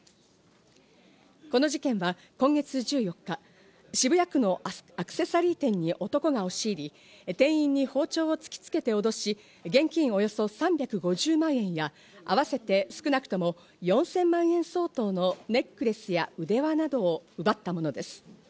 この事件は、今月１４日、渋谷区のアクセサリー店に男が押し入り、店員に包丁を突きつけて脅し、現金およそ３５０万円や、あわせて少なくとも４０００万円相当のネックレスや腕輪などを奪ったものです。